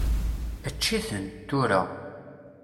Ečč-iten, tura!